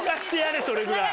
それぐらい。